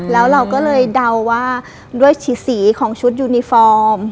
แล้วเราก็เลยเดาว่าด้วยสีของชุดยูนิฟอร์ม